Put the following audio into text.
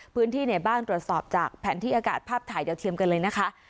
พื้นที่ไหนบ้างตรวจสอบจากแผนที่อากาศภาพถ่ายดาวเทียมกันเลยนะคะ